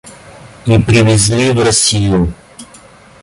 И привезли в Россию.